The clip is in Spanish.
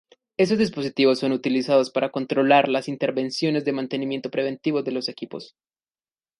Estos dispositivos son utilizados para controlar las intervenciones de mantenimiento preventivo de los equipos.